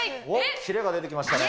キレが出てきましたね。